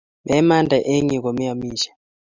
Memande eng' yu kome amisye